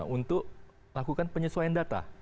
untuk lakukan penyesuaian data